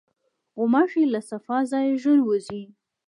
غوماشې له صفا ځایه ژر وځي.